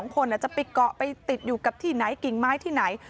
๒คนจะไปเกาะไปติดอยู่กับที่ไหนกิ่งไม้ที่ไหน